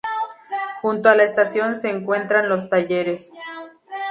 Junto a la estación se encuentran los talleres.